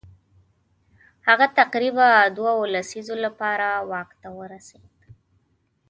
هغه تقریبا دوو لسیزو لپاره واک ورته ورسېد.